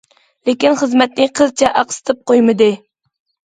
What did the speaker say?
لېكىن خىزمەتنى قىلچە ئاقسىتىپ قويمىدى.